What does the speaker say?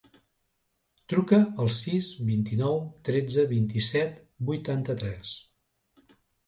Truca al sis, vint-i-nou, tretze, vint-i-set, vuitanta-tres.